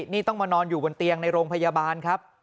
นี่ต้องมานอนอยู่บนเตียงในโรงพยาบาลครับ